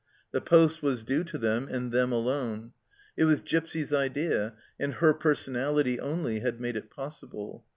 The poste was due to them, and them alone. It was Gipsy's idea, and her person ality only had made it possible.